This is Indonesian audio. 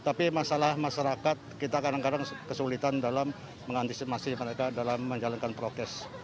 tapi masalah masyarakat kita kadang kadang kesulitan dalam mengantisipasi mereka dalam menjalankan prokes